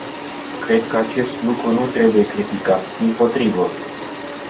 Cred că acest lucru nu trebuie criticat, dimpotrivă.